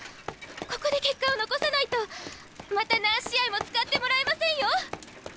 ここで結果を残さないとまた何試合も使ってもらえませんよ？